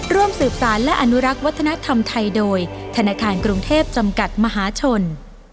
ร่วมสืบสารและอนุรักษ์วัฒนธรรมไทยโดยธนาคารกรุงเทพจำกัดมหาชน